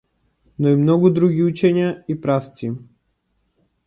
Но и многу други учења и правци.